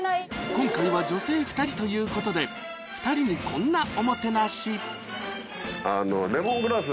今回は女性２人ということで２人にこんなおもてなしレモングラス